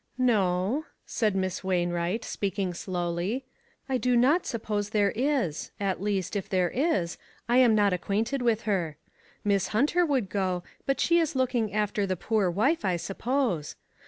" No," said Miss Wainwright, speaking slowly, " I do not suppose there is ; at least, if there is, I am not acquainted with her. Miss Hunter would go, but she is looking after the poor wife, I suppose.